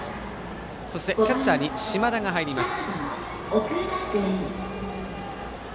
そしてキャッチャーに嶋田が入ります。